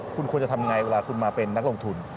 คุณควรจะทำไงเวลาคุณมาเป็นนักลงทุน